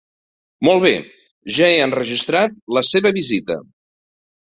Molt bé, ja he enregistrat la seva visita.